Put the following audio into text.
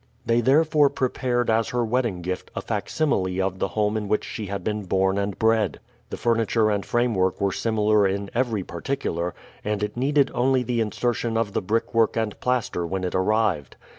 They therefore prepared as her wedding gift a facsimile of the home in which she had been born and bred. The furniture and framework were similar in every particular, and it needed only the insertion of the brickwork and plaster when it arrived.